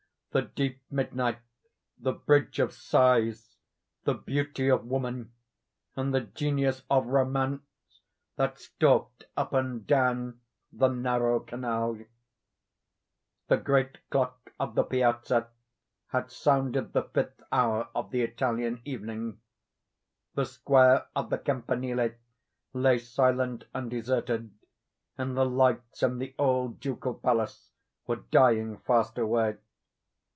—the deep midnight, the Bridge of Sighs, the beauty of woman, and the Genius of Romance that stalked up and down the narrow canal. It was a night of unusual gloom. The great clock of the Piazza had sounded the fifth hour of the Italian evening. The square of the Campanile lay silent and deserted, and the lights in the old Ducal Palace were dying fast away.